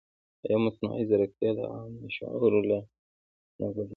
ایا مصنوعي ځیرکتیا د عامه شعور لار نه ګډوډوي؟